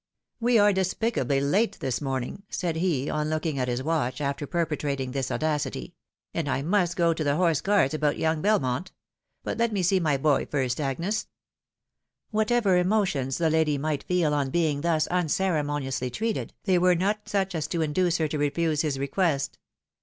" We are despicably late this morning," said he, on looking at his watch, after perpetrating this audacity ;" and I must go to the Horse Guards about young Belmont. But let me see my boys first, Agnes." Whatever emotions the lady might feel on being thus uncere moniously treated, they were not such as to induce her ' to refuse his request.